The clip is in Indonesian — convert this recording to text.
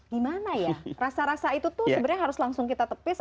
gimana ya rasa rasa itu tuh sebenarnya harus langsung kita tepis